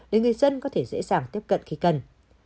để người dân có thể dễ dàng tiếp cận khi cần